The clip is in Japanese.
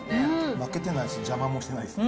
負けてないし、邪魔もしてないですね。